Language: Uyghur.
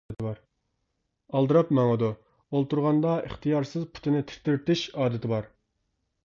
ئالدىراپ ماڭىدۇ، ئولتۇرغاندا ئىختىيارسىز پۇتىنى تىترىتىش ئادىتى بار.